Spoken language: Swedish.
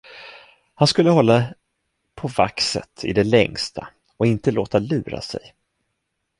Han skulle hålla på vaxet i det längsta och inte låta lura sig.